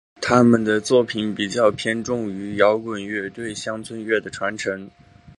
他们的作品比较偏重于摇滚乐对乡村音乐的传承。